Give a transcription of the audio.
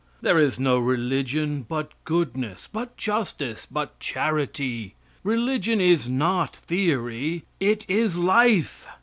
There is no religion but goodness, but justice, but charity. Religion is not theory; it is life.